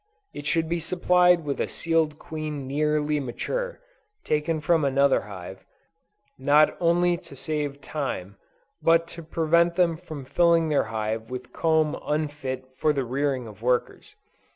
It should be supplied with a sealed queen nearly mature, taken from another hive, not only to save time, but to prevent them from filling their hive with comb unfit for the rearing of workers.